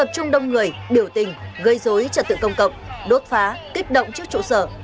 xung đông người biểu tình gây dối trật tự công cộng đốt phá kích động trước trụ sở